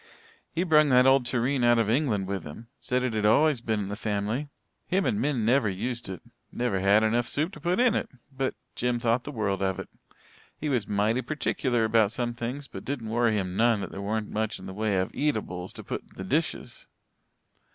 He brung that old tureen out from England with him said it'd always been in the family. Him and Min never used it never had enough soup to put in it but Jim thought the world of it. He was mighty perticuler about some things but didn't worry him none that there weren't much in the way o' eatables to put in the dishes."